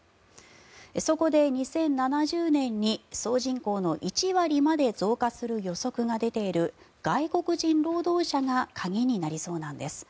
そこで２０７０年に総人口の１割まで増加する予測の出ている外国人労働者が鍵になりそうなんです。